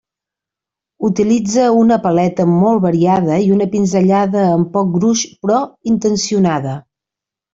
Utilitza una paleta molt variada i una pinzellada amb poc gruix però intencionada.